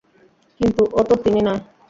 কিন্তু ও তো তিন্নি নয়।